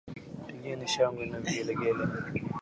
Tupigeni shangwe na vigelegele.